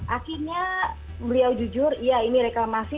akhirnya beliau jujur iya ini reklamasi